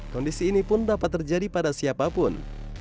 kondisi ini pun dapat terjadi pada siapapun